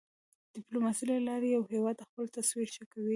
د ډیپلوماسی له لارې یو هېواد خپل تصویر ښه کوی.